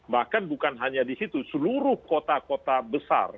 bahkan bukan hanya di situ seluruh kota kota besar